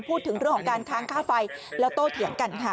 พูดถึงเรื่องของการค้างค่าไฟแล้วโต้เถียงกันค่ะ